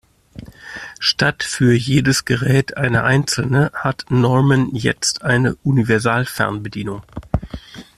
Statt für jedes Gerät eine einzelne hat Norman jetzt eine Universalfernbedienung.